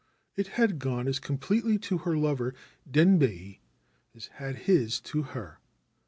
It had gone as completely to her lover Denbei as had his to her.